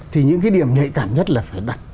thì những cái điểm nhạy cảm nhất là phải đặt